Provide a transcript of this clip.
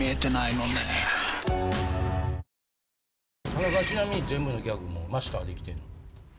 田中ちなみに全部のギャグマスターできてんの？